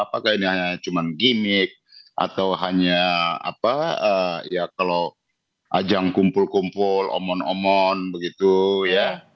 apakah ini hanya cuma gimmick atau hanya apa ya kalau ajang kumpul kumpul omon omon begitu ya